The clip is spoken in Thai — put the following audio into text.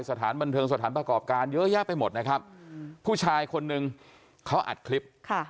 สถานบันเทิงสถานประกอบการเยอะแยะไปหมดนะครับผู้ชายคนนึงเขาอัดคลิปค่ะ